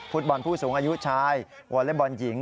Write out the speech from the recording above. ฟุตบอลผู้สูงอายุชายวอเล็กบอลหญิง